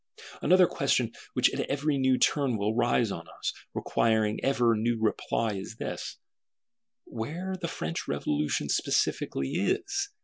Another question which at every new turn will rise on us, requiring ever new reply is this: Where the French Revolution specially _is?